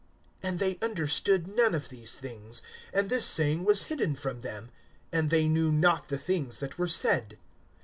(34)And they understood none of these things; and this saying was hidden from them, and they knew not the things that were said.